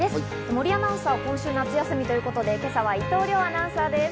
森アナウンサーは今週夏休みということで、今朝は伊藤遼アナウンサーです。